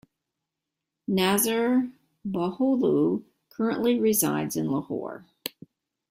Nasir Bholu currently resides in Lahore.